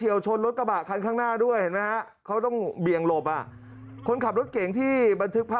เอ้าเดี๋ยวดู